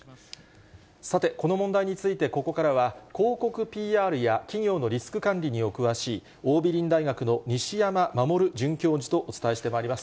さて、この問題について、ここからは、広告ＰＲや企業のリスク管理にお詳しい、桜美林大学の西山守准教授とお伝えしてまいります。